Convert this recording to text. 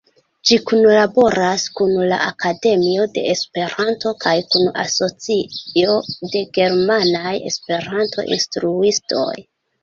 Ĝi kunlaboras kun la Akademio de Esperanto kaj kun Asocio de Germanaj Esperanto-Instruistoj.